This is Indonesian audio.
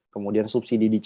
kemudian subsidi dijual